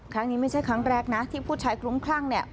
ครั้งนี้ไม่ใช่ครั้งแรกนะที่ผู้ชายคลุ้มคลั่งเนี่ย